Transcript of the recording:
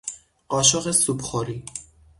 قاشق سوپخوری